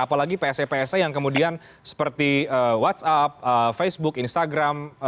apalagi pse pse yang kemudian seperti whatsapp facebook instagram